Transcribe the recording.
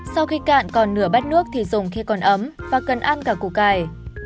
sau khi cạn còn nửa bát nước thì dùng khi còn ấm và cần ăn cả củ cài